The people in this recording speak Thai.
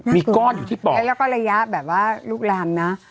มีก้อนอยู่ที่ปอดใช่แล้วก็ระยะแบบว่าลุกลามนะ